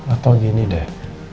atau gini deh